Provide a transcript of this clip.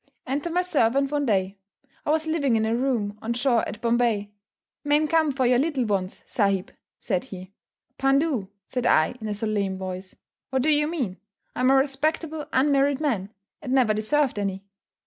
Enter my servant one day. I was living in a room on shore at Bombay. "Man come for your little ones, Sahib," said he. "Pandoo," said I in a solemn voice, "what do you mean? I'm a respectable unmarried man, and never deserved any."